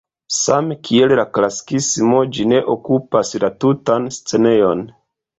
Same kiel la klasikismo ĝi ne okupas la tutan scenejon.